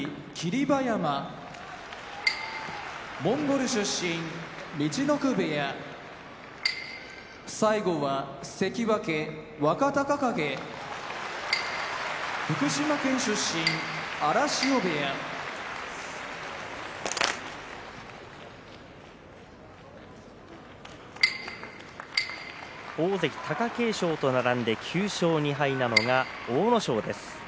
馬山モンゴル出身陸奥部屋関脇・若隆景福島県出身荒汐部屋大関貴景勝と並んで９勝２敗なのが阿武咲です。